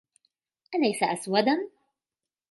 أليس أسوداً ؟